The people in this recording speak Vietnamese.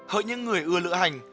hỡi những người ưa lựa hành